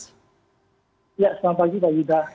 ya selamat pagi pak yuda